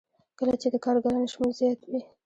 کله چې د کارګرانو شمېر زیات وي